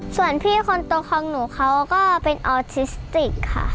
ส่วนพี่คนโตของหนูเขาก็เป็นออทิสติกค่ะ